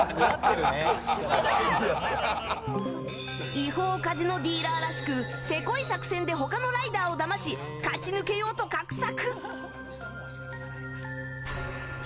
違法カジノディーラーらしくせこい作戦で他のライダーをだまし勝ち抜けようと画策。